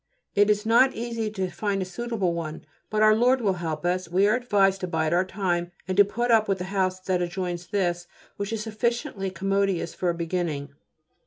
It is not easy to find a suitable one, but Our Lord will help us. We are advised to bide our time and to put up with the house that adjoins this, which is sufficiently commodious for a beginning.